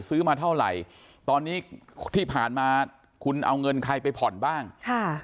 ซื้อมาเท่าไหร่ตอนนี้ที่ผ่านมาคุณเอาเงินใครไปผ่อนบ้างค่ะ